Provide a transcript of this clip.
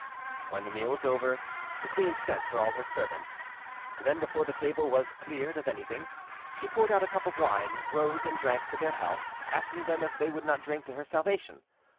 When the meal was over, the queen sent for all her servants; then; before the table was cleared of anything, she poured out a cup of wine, rose and drank to their health, asking them if they would not drink to her salvation.